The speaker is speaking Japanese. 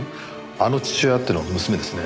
あの父親あっての娘ですね。